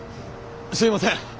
すすいません。